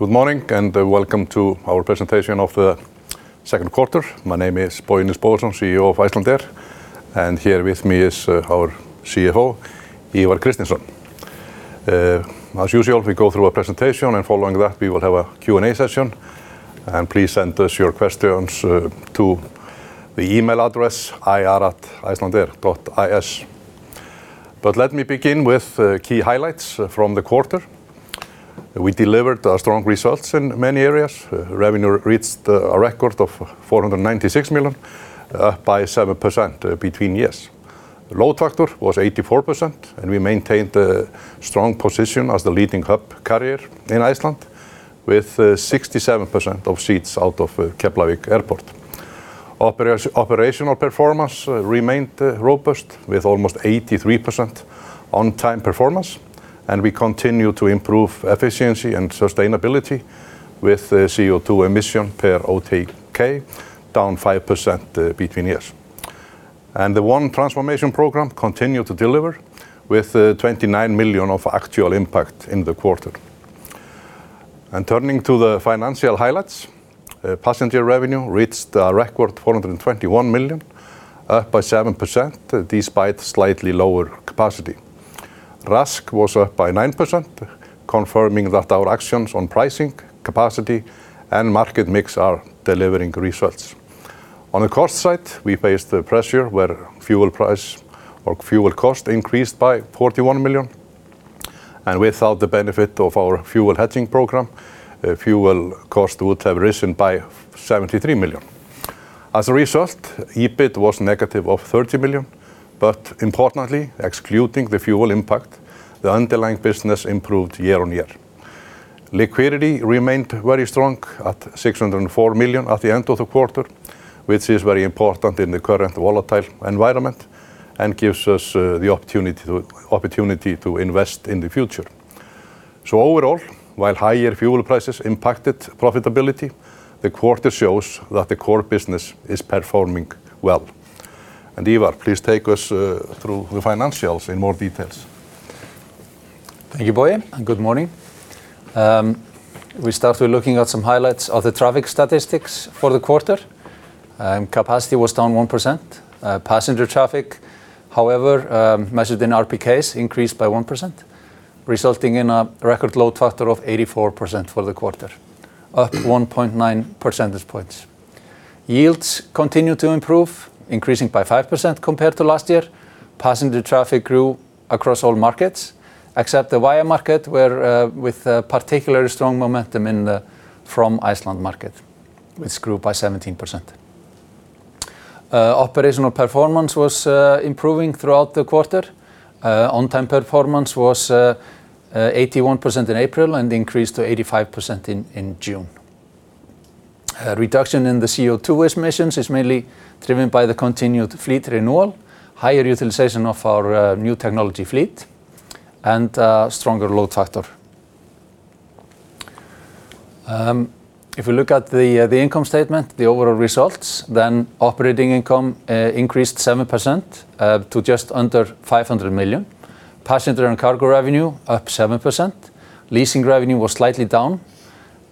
Good morning, and welcome to our presentation of the second quarter. My name is Bogi Nils Bogason, CEO of Icelandair, and here with me is our CFO, Ívar Kristinsson. As usual, we go through a presentation, and following that, we will have a Q&A session. Please send us your questions to the email address ir@icelandair.is. Let me begin with key highlights from the quarter. We delivered strong results in many areas. Revenue reached a record of $496 million, up by 7% between years. Load factor was 84%, and we maintained a strong position as the leading hub carrier in Iceland, with 67% of seats out of Keflavik Airport. Operational performance remained robust with almost 83% on-time performance, and we continue to improve efficiency and sustainability with CO2 emission per ATK down 5% between years. The ONE transformation program continued to deliver, with $29 million of actual impact in the quarter. Turning to the financial highlights, passenger revenue reached a record $421 million, up by 7%, despite slightly lower capacity. RASK was up by 9%, confirming that our actions on pricing, capacity, and market mix are delivering results. On the cost side, we faced pressure where fuel cost increased by $41 million, and without the benefit of our fuel hedging program, fuel cost would have risen by $73 million. As a result, EBIT was negative of $30 million, but importantly, excluding the fuel impact, the underlying business improved year-on-year. Liquidity remained very strong at $604 million at the end of the quarter, which is very important in the current volatile environment and gives us the opportunity to invest in the future. Overall, while higher fuel prices impacted profitability, the quarter shows that the core business is performing well. Ívar, please take us through the financials in more detail. Thank you, Bogi, and good morning. We start with looking at some highlights of the traffic statistics for the quarter. Capacity was down 1%. Passenger traffic, however, measured in RPKs, increased by 1%, resulting in a record load factor of 84% for the quarter, up 1.9 percentage points. Yields continued to improve, increasing by 5% compared to last year. Passenger traffic grew across all markets except the via market, with particularly strong momentum in the from Iceland market, which grew by 17%. Operational performance was improving throughout the quarter. On-time performance was 81% in April and increased to 85% in June. A reduction in the CO2 emissions is mainly driven by the continued fleet renewal, higher utilization of our new technology fleet, and a stronger load factor. If we look at the income statement, the overall results, operating income increased 7% to just under $500 million. Passenger and cargo revenue up 7%. Leasing revenue was slightly down,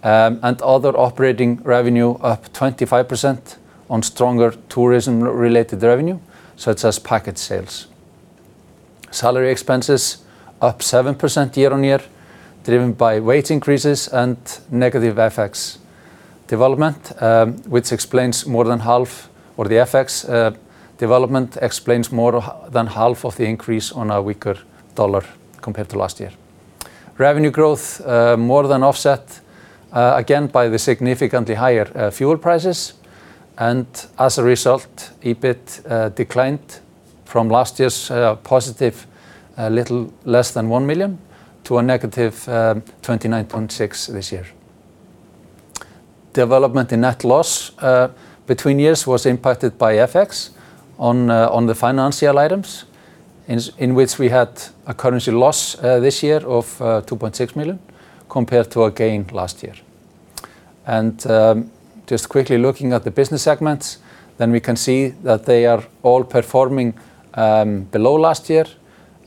and other operating revenue up 25% on stronger tourism-related revenue, such as package sales. Salary expenses up 7% year-on-year, driven by wage increases and negative FX development, which explains more than half, or the FX development explains more than half of the increase on a weaker dollar compared to last year. Revenue growth more than offset again by the significantly higher fuel prices, and as a result, EBIT declined from last year's positive, a little less than $1 million, to a negative $29.6 this year. Development in net loss between years was impacted by FX on the financial items in which we had a currency loss this year of $2.6 million compared to a gain last year. Just quickly looking at the business segments, then we can see that they are all performing below last year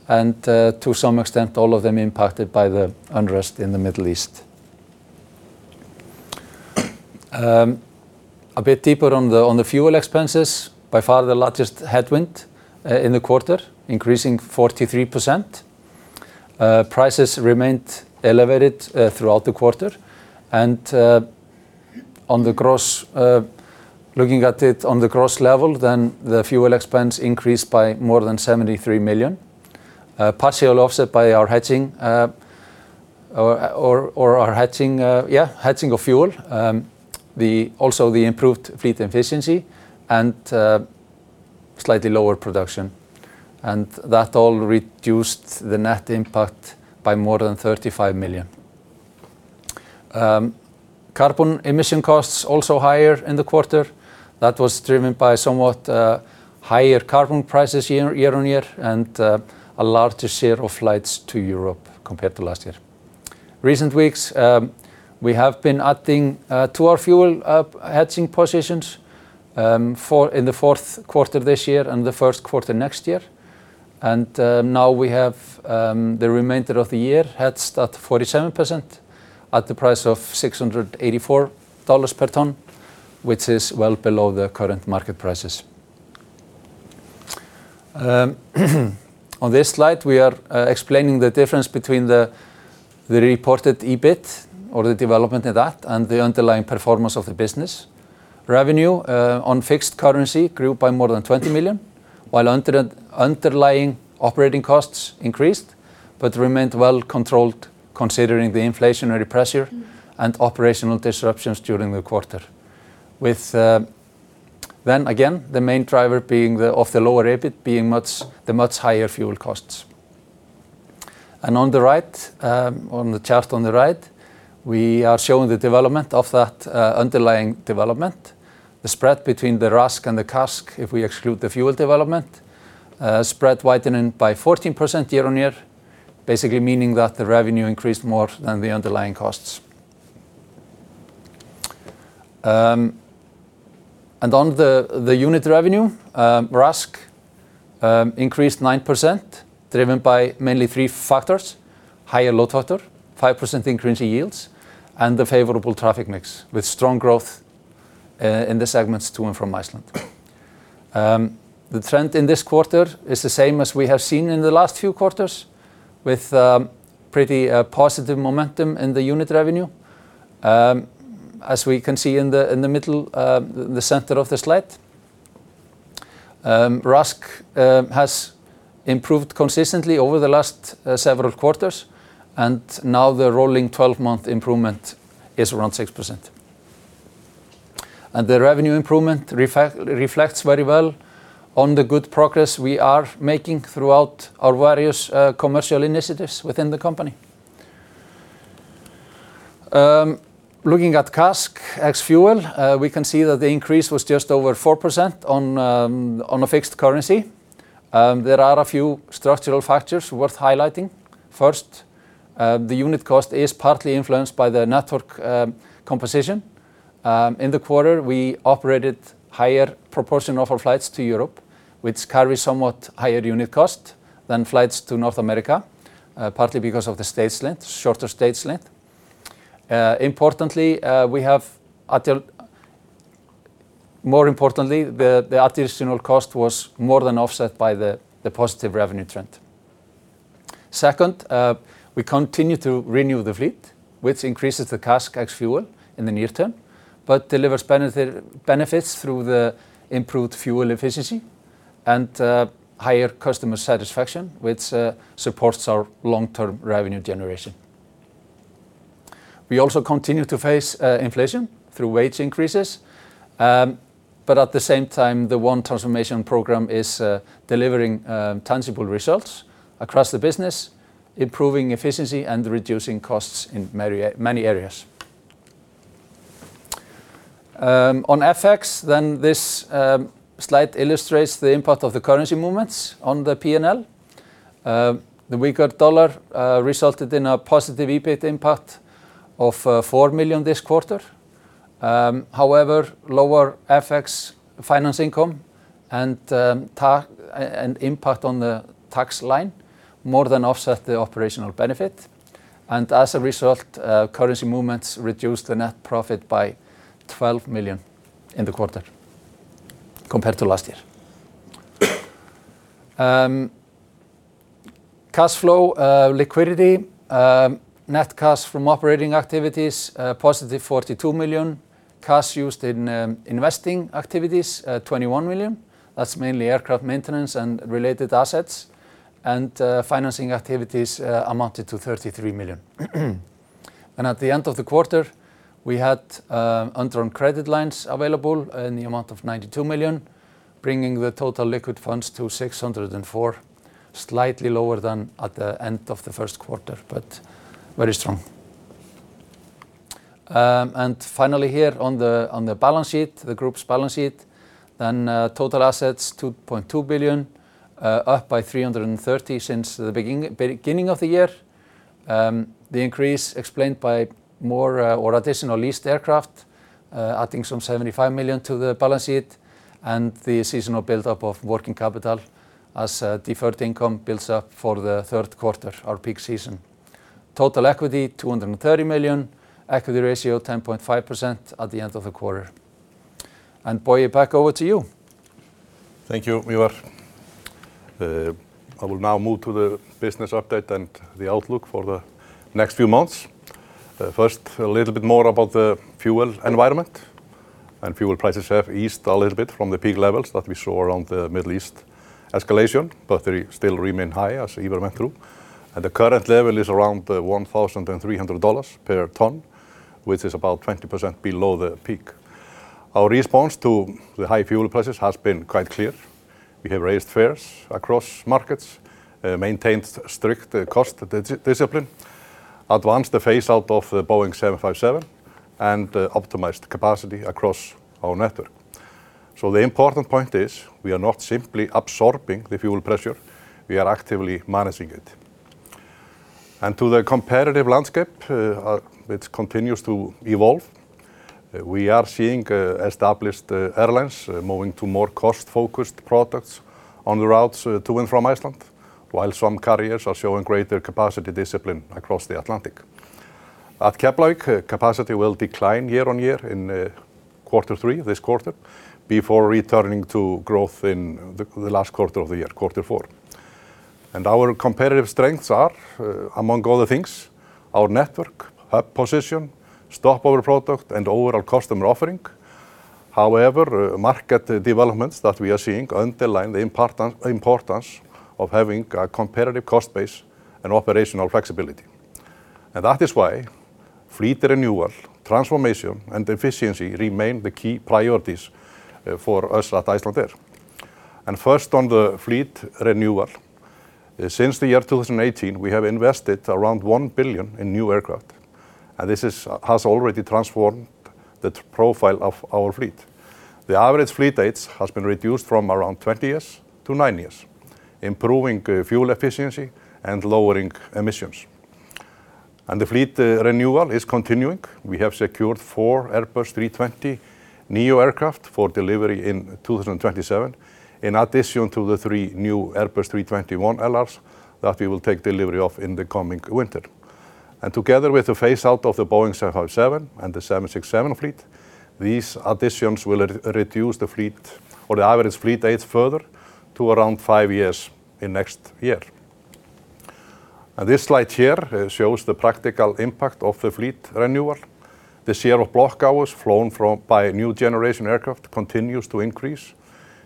and to some extent, all of them impacted by the unrest in the Middle East. A bit deeper on the fuel expenses, by far the largest headwind in the quarter, increasing 43%. Prices remained elevated throughout the quarter. Looking at it on the gross level, then the fuel expense increased by more than $73 million, partially offset by our hedging of fuel. Also, the improved fleet efficiency and slightly lower production. That all reduced the net impact by more than $35 million. Carbon emission costs also higher in the quarter. That was driven by somewhat higher carbon prices year-on-year and a larger share of flights to Europe compared to last year. Recent weeks, we have been adding to our fuel hedging positions in the fourth quarter of this year and the first quarter next year. Now we have the remainder of the year hedged at 47% at the price of $684 per ton, which is well below the current market prices. On this slide, we are explaining the difference between the reported EBIT or the development in that and the underlying performance of the business. Revenue on fixed currency grew by more than $20 million, while underlying operating costs increased, but remained well controlled considering the inflationary pressure and operational disruptions during the quarter. Again, the main driver of the lower EBIT being the much higher fuel costs. On the chart on the right, we are showing the development of that underlying development, the spread between the RASK and the CASK, if we exclude the fuel development. Spread widening by 14% year-on-year, basically meaning that the revenue increased more than the underlying costs. On the unit revenue, RASK increased 9%, driven by mainly three factors: higher load factor, 5% increase in yields, and the favorable traffic mix with strong growth in the segments to and from Iceland. The trend in this quarter is the same as we have seen in the last few quarters, with pretty positive momentum in the unit revenue. As we can see in the middle, the center of the slide, RASK has improved consistently over the last several quarters, and now the rolling 12-month improvement is around 6%. The revenue improvement reflects very well on the good progress we are making throughout our various commercial initiatives within the company. Looking at CASK ex-fuel, we can see that the increase was just over 4% on a fixed currency. There are a few structural factors worth highlighting. First, the unit cost is partly influenced by the network composition. In the quarter, we operated higher proportion of our flights to Europe, which carries somewhat higher unit cost than flights to North America, partly because of the shorter stage length. More importantly, the additional cost was more than offset by the positive revenue trend. Second, we continue to renew the fleet, which increases the CASK ex fuel in the near term, but delivers benefits through the improved fuel efficiency and higher customer satisfaction, which supports our long-term revenue generation. At the same time, the ONE transformation program is delivering tangible results across the business, improving efficiency and reducing costs in many areas. This slide illustrates the impact of the currency movements on the P&L. The weaker dollar resulted in a positive EBIT impact of $4 million this quarter. However, lower FX finance income and impact on the tax line more than offset the operational benefit. As a result, currency movements reduced the net profit by $12 million in the quarter compared to last year. Cash flow liquidity. Net cash from operating activities, a positive $42 million. Cash used in investing activities, $21 million. That's mainly aircraft maintenance and related assets. Financing activities amounted to $33 million. At the end of the quarter, we had undrawn credit lines available in the amount of $92 million, bringing the total liquid funds to $604, slightly lower than at the end of the first quarter, but very strong. Finally, here on the group's balance sheet. Total assets, $2.2 billion, up by $330 since the beginning of the year. The increase explained by more or additional leased aircraft, adding some $75 million to the balance sheet, and the seasonal buildup of working capital as deferred income builds up for the third quarter, our peak season. Total equity, $230 million. Equity ratio, 10.5% at the end of the quarter. Bogi, back over to you. Thank you, Ívar. I will now move to the business update and the outlook for the next few months. First, a little bit more about the fuel environment. Fuel prices have eased a little bit from the peak levels that we saw around the Middle East escalation, but they still remain high, as Ívar went through. The current level is around $1,300 per ton, which is about 20% below the peak. Our response to the high fuel prices has been quite clear. We have raised fares across markets, maintained strict cost discipline, advanced the phase-out of the Boeing 757, and optimized capacity across our network. The important point is we are not simply absorbing the fuel pressure, we are actively managing it. To the competitive landscape, it continues to evolve. We are seeing established airlines moving to more cost-focused products on the routes to and from Iceland, while some carriers are showing greater capacity discipline across the Atlantic. At Keflavik, capacity will decline year-on-year in quarter three, this quarter, before returning to growth in the last quarter of the year, quarter four. Our competitive strengths are, among other things, our network, hub position, stopover product, and overall customer offering. However, market developments that we are seeing underline the importance of having a competitive cost base and operational flexibility. That is why fleet renewal, transformation, and efficiency remain the key priorities for us at Icelandair. First on the fleet renewal. Since the year 2018, we have invested around $1 billion in new aircraft, and this has already transformed the profile of our fleet. The average fleet age has been reduced from around 20 years to nine years, improving fuel efficiency and lowering emissions. The fleet renewal is continuing. We have secured four Airbus A320neo aircraft for delivery in 2027, in addition to the three new Airbus A321LRs that we will take delivery of in the coming winter. Together with the phase-out of the Boeing 757 and the 767 fleet, these additions will reduce the average fleet age further to around five years in next year. This slide here shows the practical impact of the fleet renewal. The share of block hours flown by new generation aircraft continues to increase.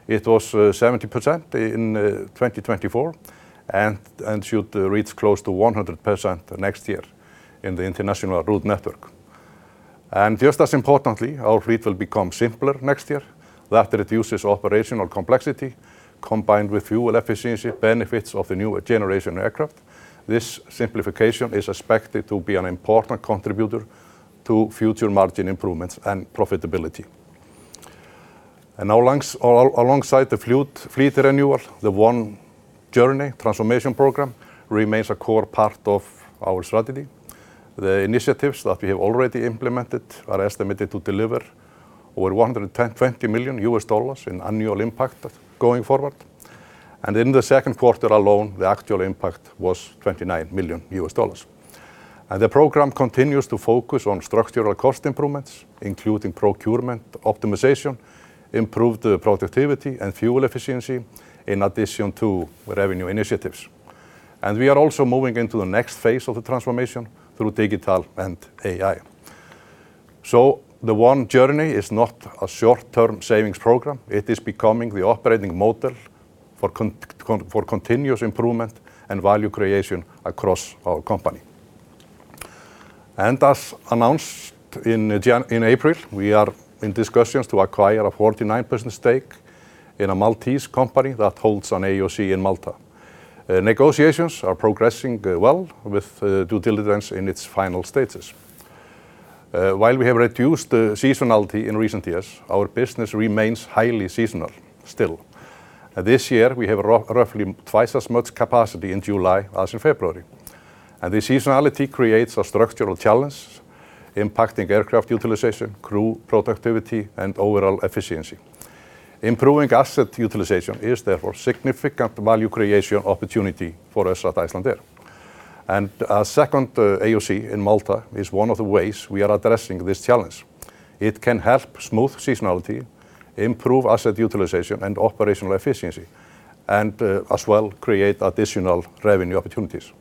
It was 70% in 2024, and should reach close to 100% next year in the international route network. Just as importantly, our fleet will become simpler next year. That reduces operational complexity, combined with fuel efficiency benefits of the newer generation aircraft. This simplification is expected to be an important contributor to future margin improvements and profitability. Alongside the fleet renewal, the ONE Journey transformation program remains a core part of our strategy. The initiatives that we have already implemented are estimated to deliver over $120 million in annual impact going forward. In the second quarter alone, the actual impact was $29 million. The program continues to focus on structural cost improvements, including procurement optimization, improved productivity and fuel efficiency, in addition to revenue initiatives. We are also moving into the next phase of the transformation through digital and AI. The ONE Journey is not a short-term savings program. It is becoming the operating model for continuous improvement and value creation across our company. As announced in April, we are in discussions to acquire a 49% stake in a Maltese company that holds an AOC in Malta. Negotiations are progressing well with due diligence in its final stages. While we have reduced the seasonality in recent years, our business remains highly seasonal still. This year, we have roughly twice as much capacity in July as in February. The seasonality creates a structural challenge impacting aircraft utilization, crew productivity, and overall efficiency. Improving asset utilization is, therefore, significant value creation opportunity for us at Icelandair. Our second AOC in Malta is one of the ways we are addressing this challenge. It can help smooth seasonality, improve asset utilization and operational efficiency, and as well, create additional revenue opportunities.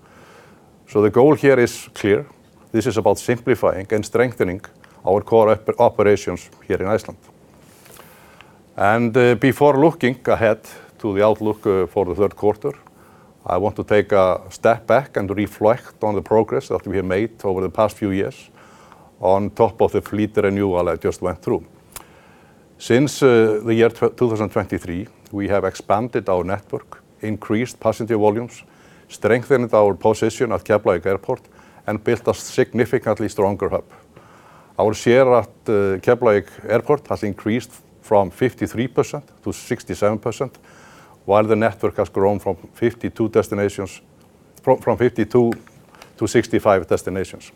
The goal here is clear. This is about simplifying and strengthening our core operations here in Iceland. Before looking ahead to the outlook for the third quarter, I want to take a step back and reflect on the progress that we have made over the past few years on top of the fleet renewal I just went through. Since 2023, we have expanded our network, increased passenger volumes, strengthened our position at Keflavík Airport, and built a significantly stronger hub. Our share at Keflavík Airport has increased from 53% to 67%, while the network has grown from 52 to 65 destinations.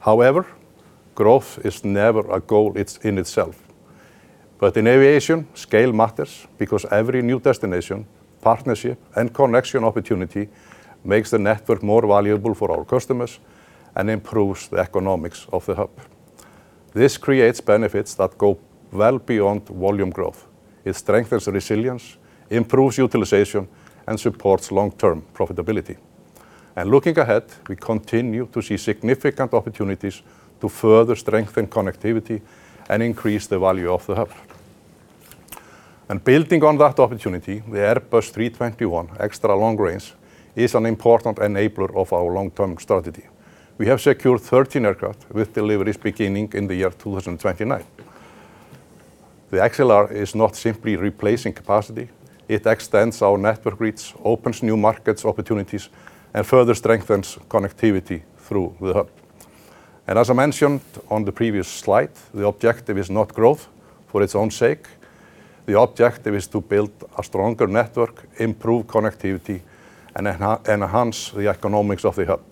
However, growth is never a goal in itself. In aviation, scale matters because every new destination, partnership, and connection opportunity makes the network more valuable for our customers and improves the economics of the hub. This creates benefits that go well beyond volume growth. It strengthens resilience, improves utilization, and supports long-term profitability. Looking ahead, we continue to see significant opportunities to further strengthen connectivity and increase the value of the hub. Building on that opportunity, the Airbus 321 Extra Long Range is an important enabler of our long-term strategy. We have secured 13 aircraft with deliveries beginning in 2029. The A321XLR is not simply replacing capacity. It extends our network reach, opens new markets opportunities, and further strengthens connectivity through the hub. As I mentioned on the previous slide, the objective is not growth for its own sake. The objective is to build a stronger network, improve connectivity, and enhance the economics of the hub,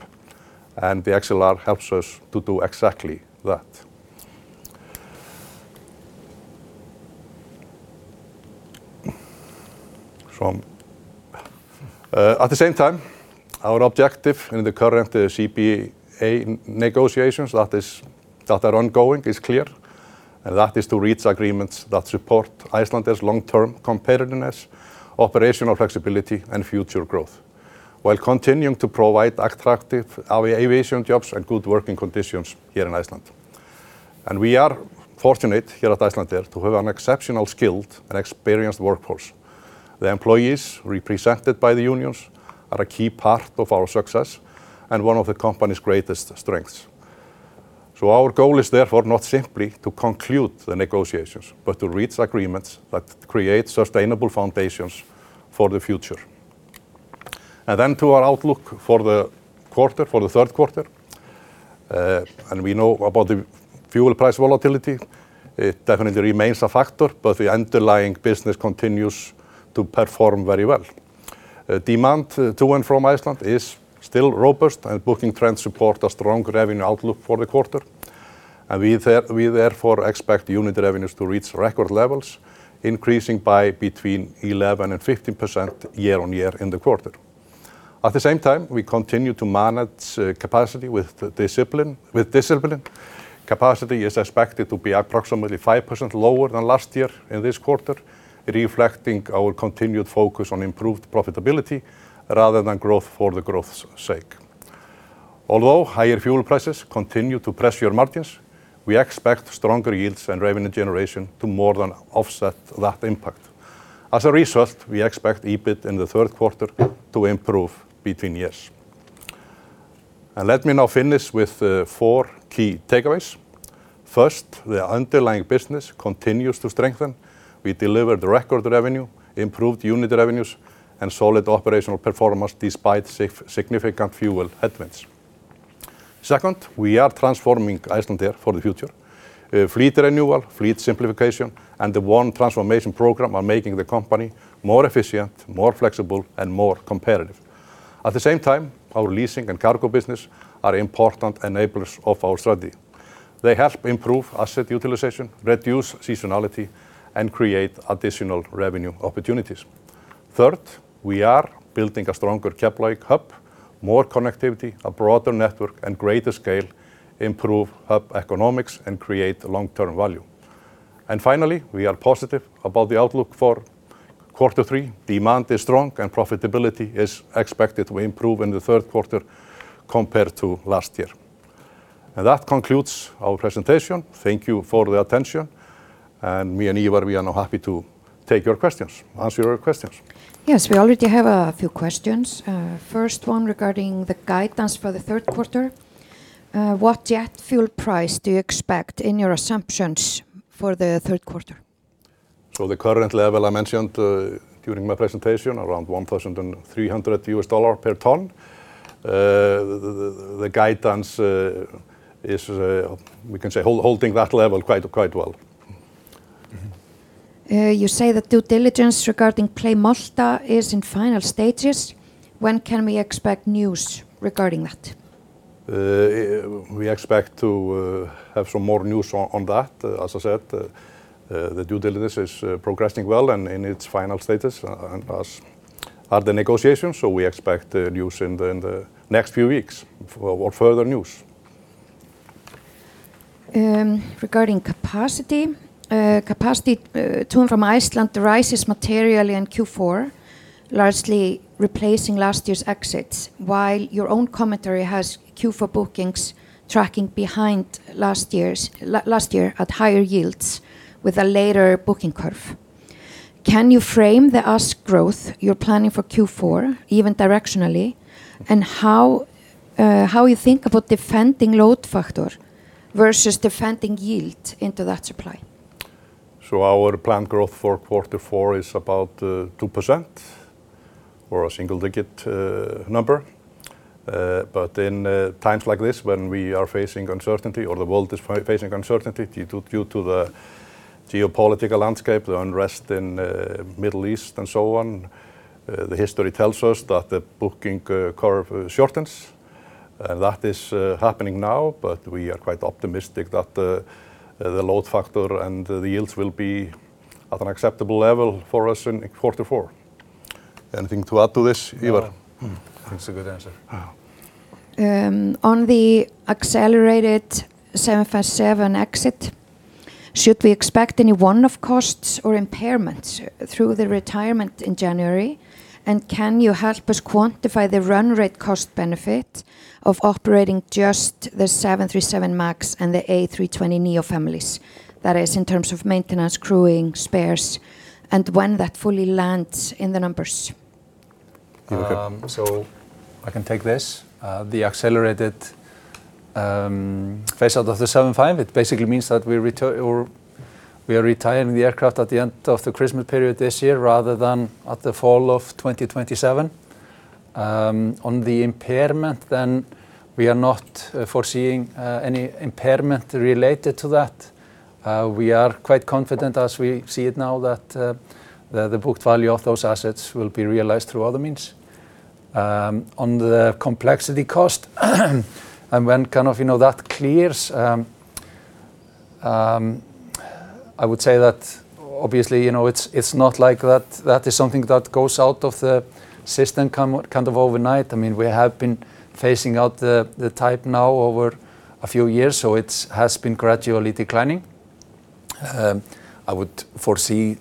the A321XLR helps us to do exactly that. At the same time, our objective in the current CBA negotiations that are ongoing is clear, that is to reach agreements that support Icelandair's long-term competitiveness, operational flexibility, and future growth while continuing to provide attractive aviation jobs and good working conditions here in Iceland. We are fortunate here at Icelandair to have an exceptional skilled and experienced workforce. The employees represented by the unions are a key part of our success and one of the company's greatest strengths. Our goal is therefore not simply to conclude the negotiations, but to reach agreements that create sustainable foundations for the future. To our outlook for the third quarter, we know about the fuel price volatility. It definitely remains a factor, but the underlying business continues to perform very well. Demand to and from Iceland is still robust, booking trends support a strong revenue outlook for the quarter. We therefore expect unit revenues to reach record levels, increasing by between 11% and 15% year-on-year in the quarter. At the same time, we continue to manage capacity with discipline. Capacity is expected to be approximately 5% lower than last year in this quarter, reflecting our continued focus on improved profitability rather than growth for the growth's sake. Although higher fuel prices continue to pressure margins, we expect stronger yields and revenue generation to more than offset that impact. As a result, we expect EBIT in the third quarter to improve between years. Let me now finish with four key takeaways. First, the underlying business continues to strengthen. We delivered record revenue, improved unit revenues, and solid operational performance despite significant fuel headwinds. Second, we are transforming Icelandair for the future. Fleet renewal, fleet simplification, and the ONE transformation program are making the company more efficient, more flexible, and more competitive. At the same time, our leasing and cargo business are important enablers of our strategy. They help improve asset utilization, reduce seasonality, and create additional revenue opportunities. Third, we are building a stronger Keflavik hub, more connectivity, a broader network, and greater scale, improve hub economics, and create long-term value. Finally, we are positive about the outlook for quarter three. Demand is strong, and profitability is expected to improve in the third quarter compared to last year. That concludes our presentation. Thank you for the attention. Me and Ívar, we are now happy to answer your questions. Yes, we already have a few questions. First one regarding the guidance for the third quarter. What jet fuel price do you expect in your assumptions for the third quarter? The current level I mentioned during my presentation, around $1,300 per ton. The guidance is, we can say, holding that level quite well. You say the due diligence regarding Play Malta is in final stages. When can we expect news regarding that? We expect to have some more news on that. As I said, the due diligence is progressing well and in its final status, as are the negotiations. We expect news in the next few weeks for further news. Regarding capacity. Capacity to and from Iceland rises materially in Q4, largely replacing last year's exits, while your own commentary has Q4 bookings tracking behind last year at higher yields with a later booking curve. Can you frame the ASK growth you're planning for Q4, even directionally? How you think about defending load factor versus defending yield into that supply? Our planned growth for quarter four is about 2% or a single-digit number. In times like this when we are facing uncertainty or the world is facing uncertainty due to the geopolitical landscape, the unrest in Middle East and so on, the history tells us that the booking curve shortens, that is happening now. We are quite optimistic that the load factor and the yields will be at an acceptable level for us in quarter four. Anything to add to this, Ívar? No. That's a good answer. On the accelerated 757 exit, should we expect any one-off costs or impairments through the retirement in January? Can you help us quantify the run rate cost benefit of operating just the 737 MAX and the A320neo families? That is, in terms of maintenance, crewing, spares, and when that fully lands in the numbers. I can take this. The accelerated phase out of the 75, it basically means that we are retiring the aircraft at the end of the Christmas period this year rather than at the fall of 2027. On the impairment, we are not foreseeing any impairment related to that. We are quite confident as we see it now that the booked value of those assets will be realized through other means. On the complexity cost and when that clears, I would say that obviously it's not like that is something that goes out of the system overnight. We have been phasing out the type now over a few years, so it has been gradually declining. I would foresee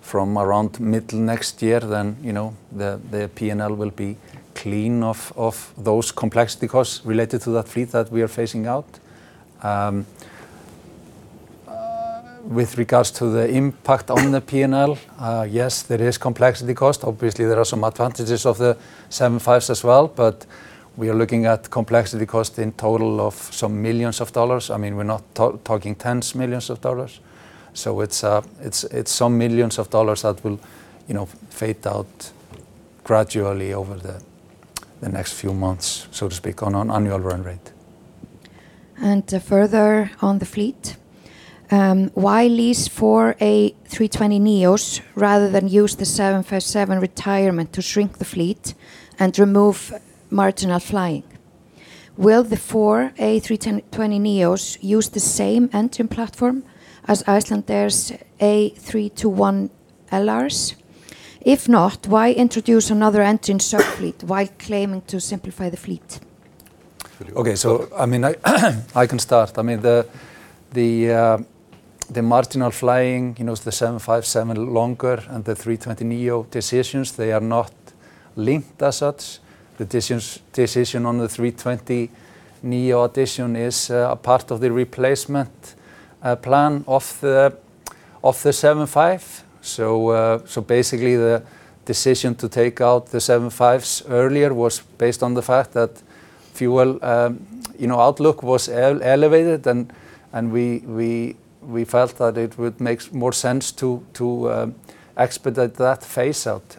from around middle next year, the P&L will be clean of those complexity costs related to that fleet that we are phasing out. With regards to the impact on the P&L, yes, there is complexity cost. Obviously, there are some advantages of the 75s as well, but we are looking at complexity cost in total of some millions of dollars. We're not talking tens of millions of dollars. It's some millions of dollars that will fade out gradually over the next few months, so to speak, on an annual run rate. Further on the fleet, why lease four A320neos rather than use the 757 retirement to shrink the fleet and remove marginal flying? Will the four A320neos use the same engine platform as Icelandair's A321LRs? If not, why introduce another engine sub-fleet while claiming to simplify the fleet? Okay. I can start. The marginal flying, the 757 longer and the A320neo decisions, they are not linked as such. The decision on the A320neo addition is a part of the replacement plan of the 75. The decision to take out the 75s earlier was based on the fact that fuel outlook was elevated and we felt that it would make more sense to expedite that phase-out.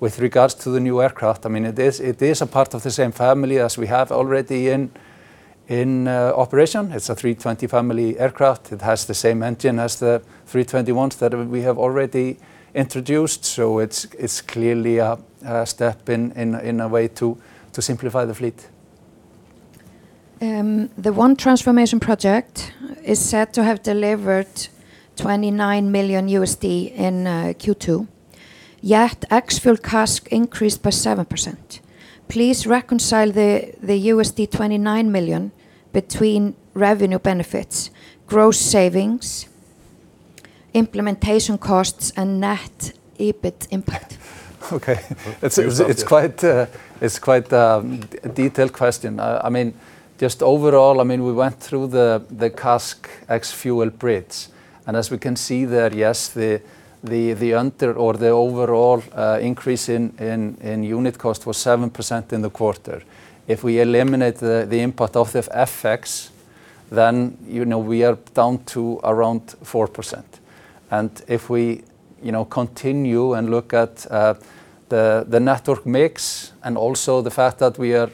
With regards to the new aircraft, it is a part of the same family as we have already in operation. It's a A320 family aircraft. It has the same engine as the A321s that we have already introduced, it's clearly a step in a way to simplify the fleet. The ONE transformation project is said to have delivered $29 million in Q2, yet ex-fuel CASK increased by 7%. Please reconcile the $29 million between revenue benefits, gross savings, implementation costs, and net EBIT impact. Okay. It's quite a detailed question. We went through the CASK ex-fuel bridge, as we can see there, yes, the under or the overall increase in unit cost was 7% in the quarter. If we eliminate the impact of the FX, we are down to around 4%. If we continue and look at the network mix and also the fact that we are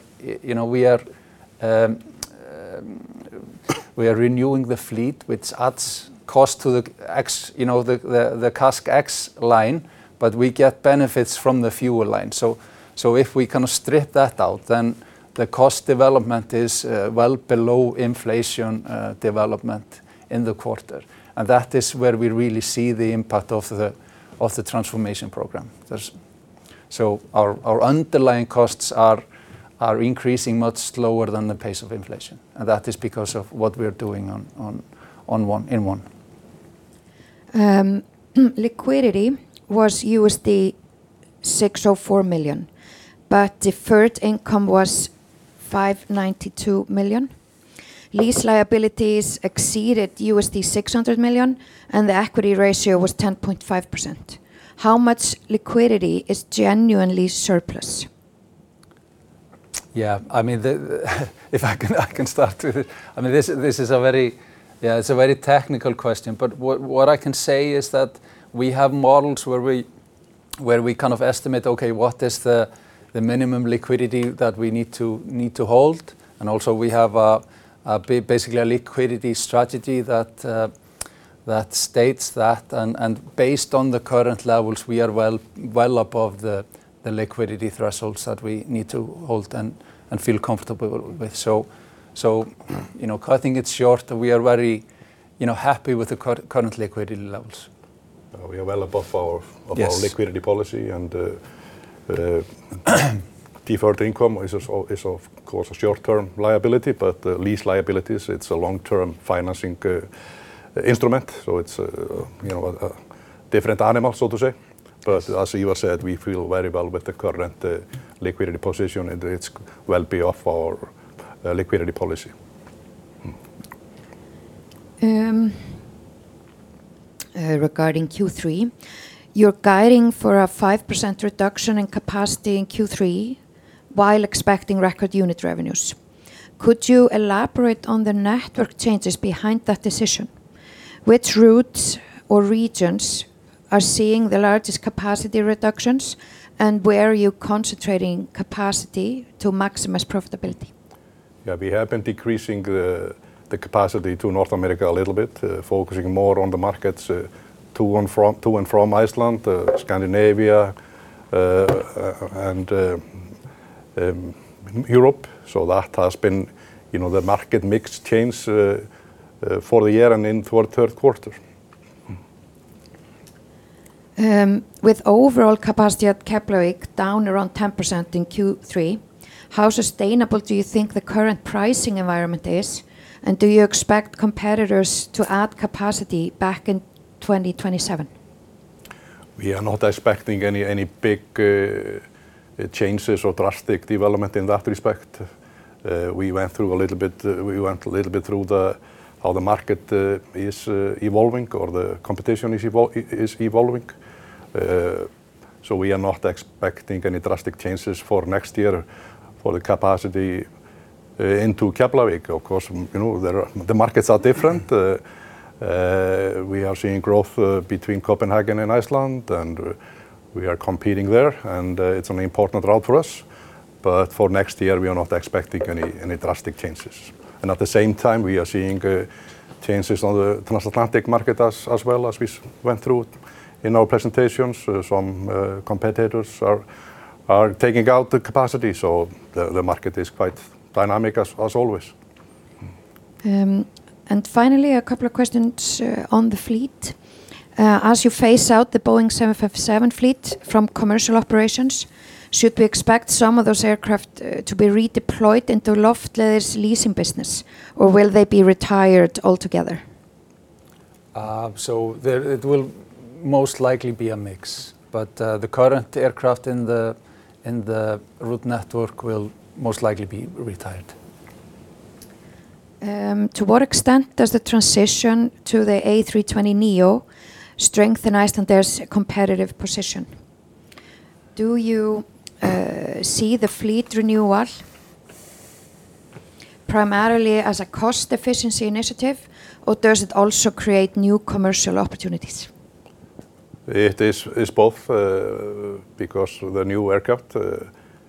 renewing the fleet, which adds cost to the CASK ex line, but we get benefits from the fuel line. If we strip that out, the cost development is well below inflation development in the quarter. That is where we really see the impact of the transformation program. Our underlying costs are increasing much slower than the pace of inflation. That is because of what we're doing in ONE. Liquidity was $604 million, but deferred income was $592 million. Lease liabilities exceeded $600 million, the equity ratio was 10.5%. How much liquidity is genuinely surplus? Yeah. I can start with it. This is a very technical question, but what I can say is that we have models where we estimate, "Okay, what is the minimum liquidity that we need to hold?" We have basically a liquidity strategy that states that, and based on the current levels, we are well above the liquidity thresholds that we need to hold and feel comfortable with. Cutting it short, we are very happy with the current liquidity levels. We are well above our liquidity policy and, deferred income is, of course, a short-term liability, but the lease liability, it's a long-term financing instrument, so it's a different animal, so to say. As Ívar said, we feel very well with the current liquidity position, and it's well beyond our liquidity policy. Regarding Q3, you're guiding for a 5% reduction in capacity in Q3 while expecting record unit revenues. Could you elaborate on the network changes behind that decision? Which routes or regions are seeing the largest capacity reductions, and where are you concentrating capacity to maximize profitability? Yeah, we have been decreasing the capacity to North America a little bit, focusing more on the markets to and from Iceland, Scandinavia, and Europe. That has been the market mix change for the year and into our third quarter. With overall capacity at Keflavik down around 10% in Q3, how sustainable do you think the current pricing environment is, and do you expect competitors to add capacity back in 2027? We are not expecting any big changes or drastic development in that respect. We went a little bit through how the market is evolving, or the competition is evolving. We are not expecting any drastic changes for next year for the capacity into Keflavik. Of course, the markets are different. We are seeing growth between Copenhagen and Iceland, and we are competing there, and it's an important route for us. For next year, we are not expecting any drastic changes. At the same time, we are seeing changes on the transatlantic market as well, as we went through in our presentations. Some competitors are taking out the capacity, the market is quite dynamic as always. Finally, a couple of questions on the fleet. As you phase out the Boeing 757 fleet from commercial operations, should we expect some of those aircraft to be redeployed into Loftleiðir leasing business, or will they be retired altogether? It will most likely be a mix. The current aircraft in the route network will most likely be retired. To what extent does the transition to the A320neo strengthen Icelandair's competitive position? Do you see the fleet renewal primarily as a cost efficiency initiative, or does it also create new commercial opportunities? It is both, because the new aircraft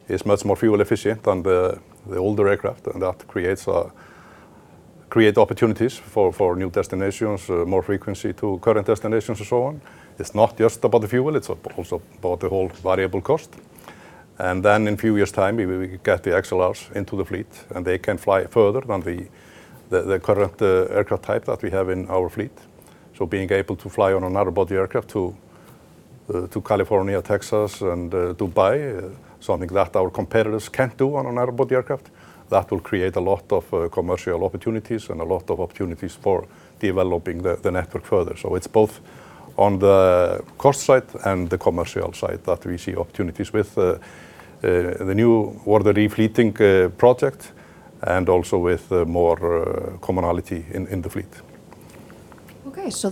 is much more fuel efficient than the older aircraft, and that create opportunities for new destinations, more frequency to current destinations, and so on. It's not just about the fuel, it's also about the whole variable cost. In a few years' time, we will get the XLRs into the fleet, and they can fly further than the current aircraft type that we have in our fleet. Being able to fly on a narrow-body aircraft to California, Texas, and Dubai, something that our competitors can't do on a narrow-body aircraft, that will create a lot of commercial opportunities and a lot of opportunities for developing the network further. It's both on the cost side and the commercial side that we see opportunities with the new order re-fleeting project and also with more commonality in the fleet.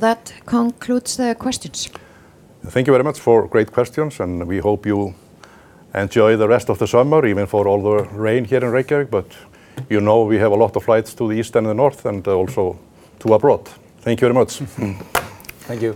That concludes the questions. Thank you very much for great questions. We hope you enjoy the rest of the summer, even for all the rain here in Reykjavik, you know we have a lot of flights to the east and the north and also to abroad. Thank you very much. Thank you.